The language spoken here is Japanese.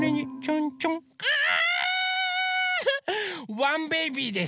ワンベイビーです。